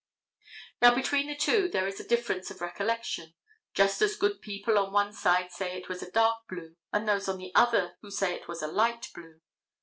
Now between the two there is a difference of recollection; just as good people on one side say it was a dark blue as those on the other who say it was a light blue.